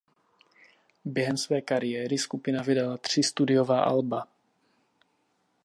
Během své kariéry skupina vydala tři studiová alba.